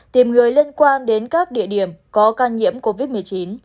tìm người liên quan đến các địa điểm có ca nhiễm covid một mươi chín